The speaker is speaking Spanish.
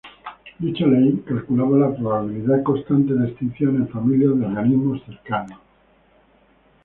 Dicha ley calculaba la probabilidad constante de extinción en familias de organismos cercanos.